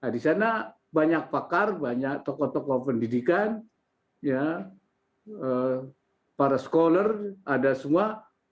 di sana banyak pakar banyak tokoh tokoh pendidikan para sekolah ada semua